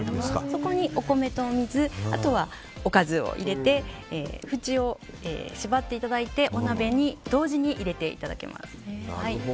そこにお米とお水、あとはおかずを入れてふちを縛っていただいてお鍋に同時に入れていただきます。